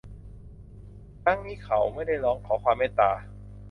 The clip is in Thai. ครั้งนี้เขาไม่ได้ร้องขอความเมตตา